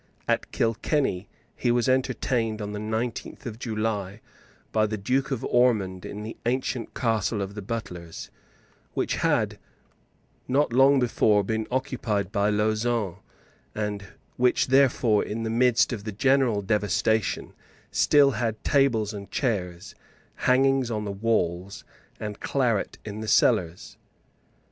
At Kilkenny he was entertained, on the nineteenth of July, by the Duke of Ormond in the ancient castle of the Butlers, which had not long before been occupied by Lauzun, and which therefore, in the midst of the general devastation, still had tables and chairs, hangings on the walls, and claret in the cellars.